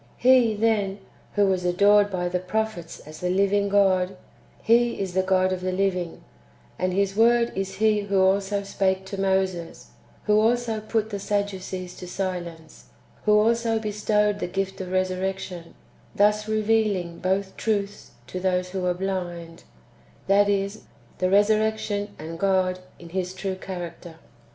He, then, who was adored by the prophets as the living God, He is the God of the living ; and His Word is He who also spake to Moses, who also put the Sadducees to silence, who also bestowed the gift of resurrection, thus revealing [both] truths to those wdio are blind, that is, the resurrection and God [in His true character].